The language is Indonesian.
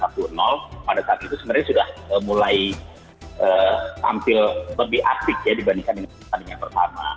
pada saat itu sebenarnya sudah mulai tampil lebih aktif dibandingkan pertandingan pertama